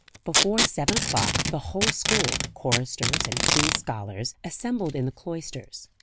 Before seven o'clock, the whole school, choristers and king's scholars, assembled in the cloisters.